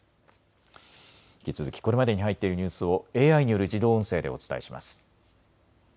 引き続きこれまでに入っているニュースをＡＩによる自動音声でお伝えします。